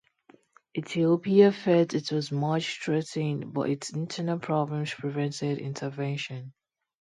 Ethiopia felt it was much threatened but its internal problems prevented intervention.